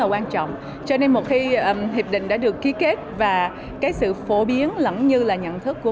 quan trọng cho nên một khi hiệp định đã được ký kết và cái sự phổ biến lẫn như là nhận thức của